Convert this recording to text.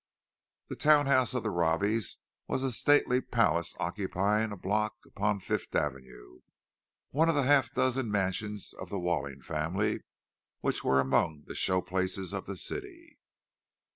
The town house of the Robbies was a stately palace occupying a block upon Fifth Avenue—one of the half dozen mansions of the Walling family which were among the show places of the city.